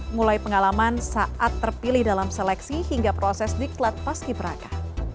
mulai pengalaman saat terpilih dalam seleksi hingga proses diklat paski beraka